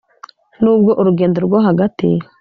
nubwo urugendo rwo hagati